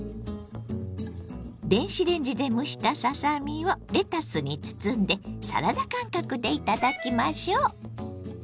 電子レンジで蒸したささ身をレタスに包んでサラダ感覚で頂きましょ。